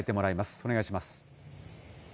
お願いします。